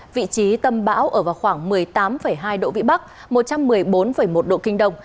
vị trí tâm bão ở vào khoảng một mươi tám hai độ vĩ bắc một trăm một mươi bốn một độ kinh đông